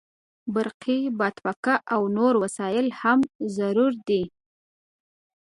برقي بادپکه او نور وسایل هم ضروري دي.